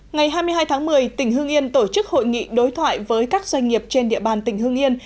ngày hai mươi hai tháng một mươi tỉnh hưng yên tổ chức hội nghị đối thoại với các doanh nghiệp trên địa bàn tỉnh hương yên